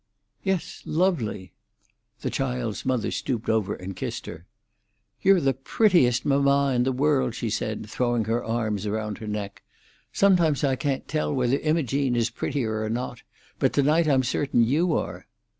"Yes, lovely." The child's mother stooped over and kissed her. "You're the prettiest mamma in the world," she said, throwing her arms round her neck. "Sometimes I can't tell whether Imogene is prettier or not, but to night I'm certain you are.